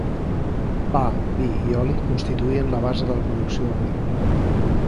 Pa, vi i oli constituïen la base de la producció agrícola.